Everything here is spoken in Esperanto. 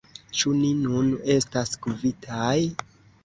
Ĉu ni nun estas kvitaj?